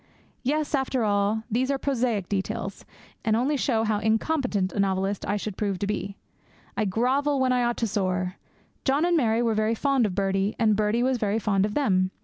Yes, after all, these are prosaic details, and only show how incompetent a novelist I should prove to be. I grovel when I ought to soar. John and Mary were very fond of Birdie, and Birdie was very fond of them.